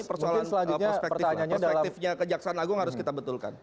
ini persoalan perspektifnya kejaksaan lagu harus kita betulkan